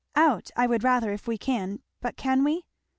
"Out I would rather, if we can. But can we?"